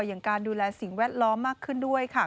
อย่างการดูแลสิ่งแวดล้อมมากขึ้นด้วยค่ะ